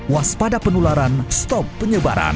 waspada penularan stop penyebaran